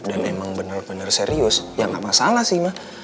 dan emang benar benar serius ya enggak masalah sih ma